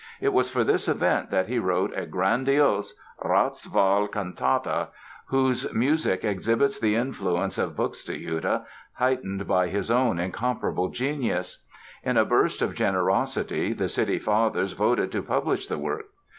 It was for this event that he wrote a grandiose Ratswahl Kantate, whose music exhibits the influence of Buxtehude heightened by his own incomparable genius. In a burst of generosity the city fathers voted to publish the work.